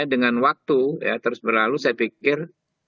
dengan waktu ya terus berlalu saya pikir